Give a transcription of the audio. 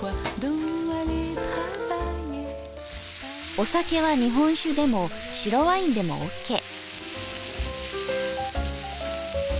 お酒は日本酒でも白ワインでもオッケー。